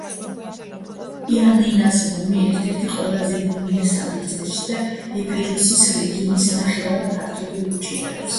იანინას ნომი ერთ-ერთი ყველაზე დიდი ნომია საბერძნეთში და ეპიროსის რეგიონის ნახევარი ფართობი უჭირავს.